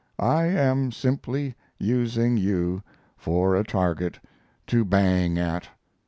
I am simply using you for a target to bang at.